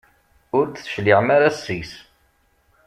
Ur d-tecliɛem ara seg-s.